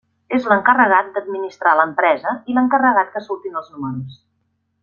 És l'encarregat d'administrar l'empresa i l'encarregat que surtin els números.